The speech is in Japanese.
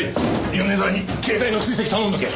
米沢に携帯の追跡頼んどけ。